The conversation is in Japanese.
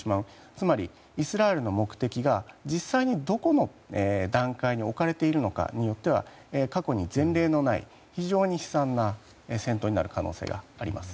つまり、イスラエルの目的が実際にどこの段階に置かれているのかによっては過去に前例のない非常に悲惨な戦闘になる可能性があります。